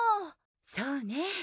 そうね